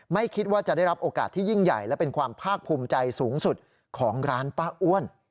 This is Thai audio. ไม่คิดว่าจะได้รับโอกาสที่ยิ่งใหญ่และเป็นความภาคภูมิใจสูงสุดของร้านป้าอ้วน